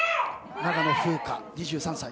長野風花、２３歳。